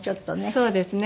そうですね。